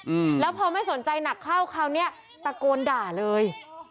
อืมแล้วพอไม่สนใจหนักเข้าคราวเนี้ยตะโกนด่าเลย